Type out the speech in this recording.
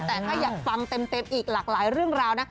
แต่ถ้าอยากฟังเต็มอีกหลากหลายเรื่องราวนะ